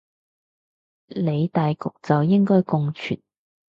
理大局就應該共存